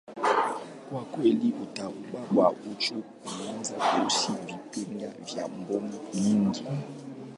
kwa kweli, utaratibu wa uchunguzi unaweza kuhusisha vipengele vya mbinu nyingi.